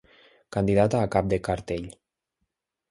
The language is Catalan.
Candidata a cap de cartell.